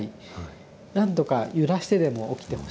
何とか揺らしてでも起きてほしい。